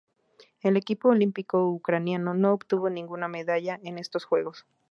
El equipo olímpico ucraniano no obtuvo ninguna medalla en estos Juegos